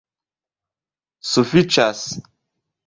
sufiĉas